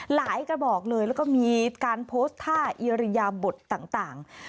กระบอกเลยแล้วก็มีการโพสต์ท่าอิริยาบทต่าง